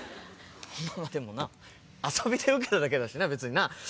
でもな遊びで受けただけだしな別にな。